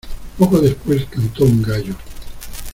poco después cantó un gallo.